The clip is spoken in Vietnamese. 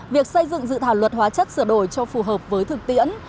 việc xây dựng dự thảo luật hóa chất sửa đổi cho phù hợp với thực tiễn